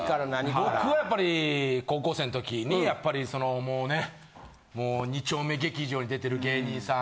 僕はやっぱり高校生ん時にやっぱりもうねもう２丁目劇場に出てる芸人さん